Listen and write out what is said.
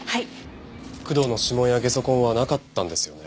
工藤の指紋やゲソ痕はなかったんですよね？